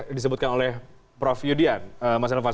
tadi yang disebutkan oleh prof yudian mas renvan